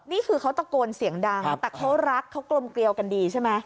นี่คือเขาตะโกนเสียงดังแต่เขารักเขากลมเกลียวกันดีใช่ไหม